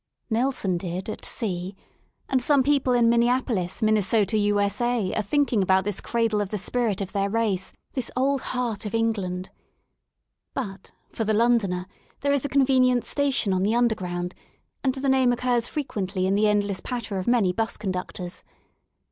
Nelson did at sea, and some people in Minneapolis, Minnesota, U.S.A., are thinking about this cradle of the spirit of their race, this old heart of England, But, for the Londoner^ there is a con venient station on the Underground, and the name occurs frequently in the endless patter of many 'bus conductors.